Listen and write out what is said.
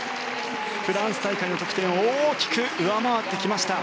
フランス大会の得点を大きく上回ってきました。